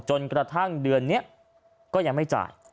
จนกระทั่งเดือนนี้ก็ยังไม่จ่าย